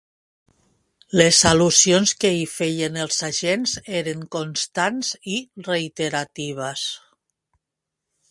Les al·lusions que hi feien els agents eren constants i reiteratives.